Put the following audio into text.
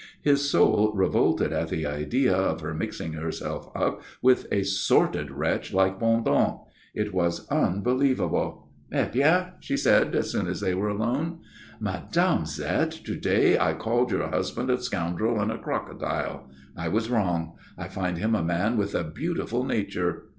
His soul revolted at the idea of her mixing herself up with a sordid wretch like Bondon. It was unbelievable. "Eh bien?" she said as soon as they were alone. "Mme. Zette, to day I called your husband a scoundrel and a crocodile. I was wrong. I find him a man with a beautiful nature."